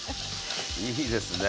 いいですね。